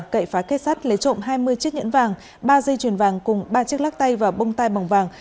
cậy phá kết sắt lấy trộm hai mươi chiếc nhẫn vàng ba dây chuyền vàng cùng ba chiếc lắc tay và bông tay bằng vàng